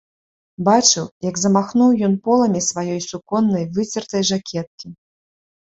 Бачыў, як замахнуў ён поламі сваёй суконнай выцертай жакеткі.